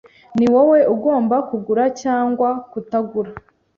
Ni wowe ugomba kugura cyangwa kutagura.